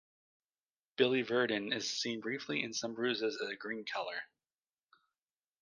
Biliverdin is seen briefly in some bruises as a green color.